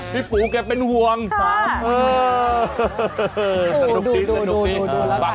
พี่ปูเก่งเป็นห่วง